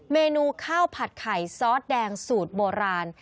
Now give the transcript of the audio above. เมนูข้าวผัดไข่ซอสแดงสูตรโบราณ